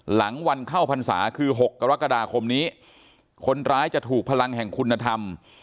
หลังวันเข้าพรรษาคือ๖กรกฎาคมนี้คนร้ายจะถูกพลังแห่งคุณธรรม